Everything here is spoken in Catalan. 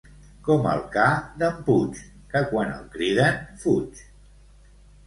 Com el ca d'en Puig, que quan el criden fuig.